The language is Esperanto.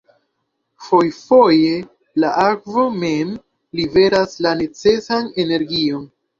Fojfoje la akvo mem liveras la necesan energion.